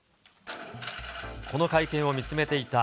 この会見を見つめていた